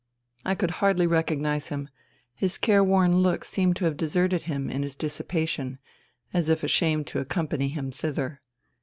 I could hardly recognize him. His careworn look seemed to have deserted him in his dissipation, as if ashamed to accompany him thither.